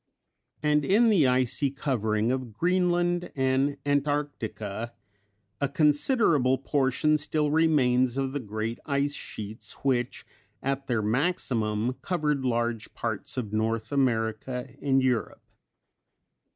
And in the icy covering of Greenland and Antarctica a considerable portion still remains of the great ice sheets which at their maximum covered large parts of North America and Europe.